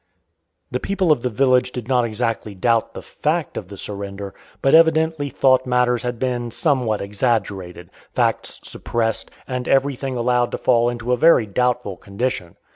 The people of the village did not exactly doubt the fact of the surrender, but evidently thought matters had been somewhat exaggerated, facts suppressed, and everything allowed to fall into a very doubtful condition.